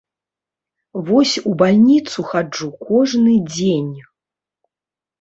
Вось у бальніцу хаджу кожны дзень.